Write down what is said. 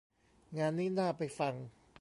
งานนี้น่าไปฟัง